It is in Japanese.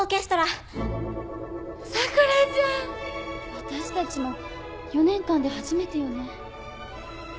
わたしたちも４年間で初めてよね。